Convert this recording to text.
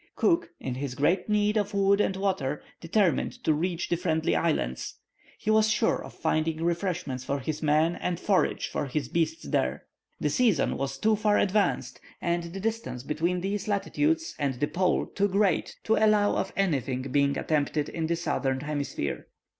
Cook, in his great need of wood and water, determined to reach the Friendly Islands. He was sure of finding refreshments for his men and forage for his beasts there. The season was too far advanced, and the distance between these latitudes and the pole too great to allow of anything being attempted in the southern hemisphere.